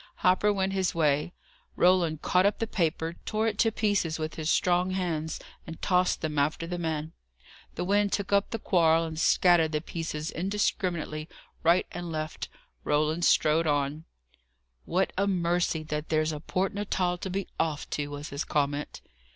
Hopper went his way. Roland caught up the paper, tore it to pieces with his strong hands, and tossed them after the man. The wind took up the quarrel, and scattered the pieces indiscriminately, right and left. Roland strode on. "What a mercy that there's a Port Natal to be off to!" was his comment.